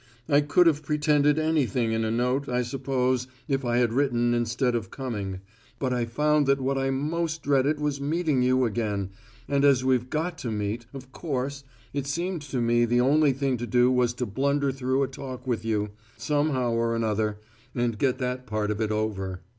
I could have pretended anything in a note, I suppose, if I had written instead of coming. But I found that what I most dreaded was meeting you again, and as we've got to meet, of course, it seemed to me the only thing to do was to blunder through a talk with you, somehow or another, and get that part of it over.